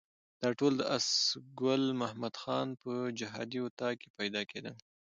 دا ټول د آس ګل محمد خان په جهادي اطاق کې پیدا کېدل.